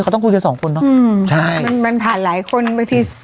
เขาต้องคุยกันสองคนเนอะอืมใช่มันมันผ่านหลายคนบางที